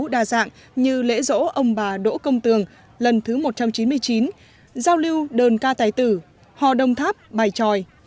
đa dạng như lễ rỗ ông bà đỗ công tường lần thứ một trăm chín mươi chín giao lưu đơn ca tài tử hò đồng tháp bài tròi